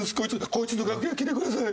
こいつの楽屋来てください！